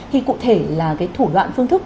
thì cụ thể là thủ đoạn phương thức